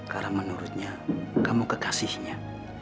karena menurutnya kamu kekasihnya